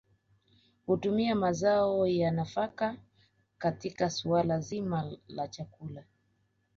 Hutumia mazao ya nafaka katika suala zima la chakula